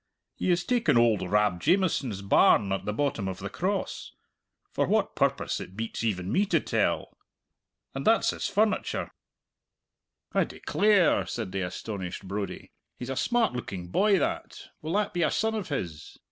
He has taken oald Rab Jamieson's barn at the bottom of the Cross for what purpose it beats even me to tell! And that's his furniture " "I declare!" said the astonished Brodie. "He's a smart looking boy that. Will that be a son of his?"